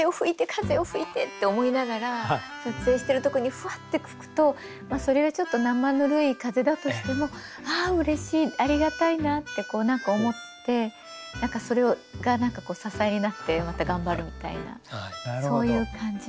風よ吹いて！って思いながら撮影してるとこにふわって吹くとそれがちょっと生ぬるい風だとしてもあうれしいありがたいなって思ってそれが支えになってまた頑張るみたいなそういう感じ。